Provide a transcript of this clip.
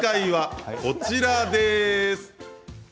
こちらです。